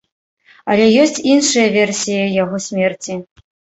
Але ёсць іншыя версіі яго смерці.